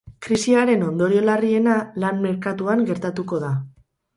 Krisiaren ondorio larriena lan-merkatuan gertatuko da.